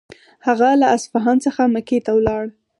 هغه له اصفهان څخه مکې ته ولاړ.